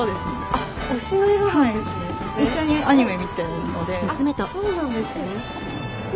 あっそうなんですね。